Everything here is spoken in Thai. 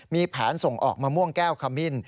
มีแผนส่งออกมะม่วงแก้วขมิ้น